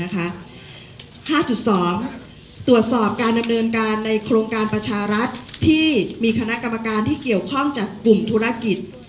๕๒ตรวจสอบการดำเนินการในโครงการประชารัฐที่มีคณะกรรมการที่เกี่ยวข้องจากกลุ่มธุรกิจ